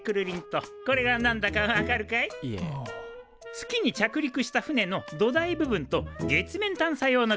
月に着陸した船の土台部分と月面探査用の車なんだ。